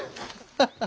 ハハハ！